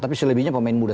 tapi selebihnya pemain muda